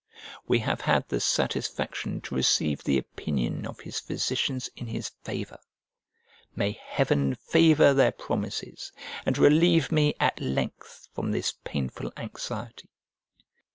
We have had the satisfaction to receive the opinion of his physicians in his favour: may heaven favour their promises and relieve me at length from this painful anxiety.